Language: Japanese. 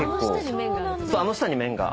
あの下に麺が。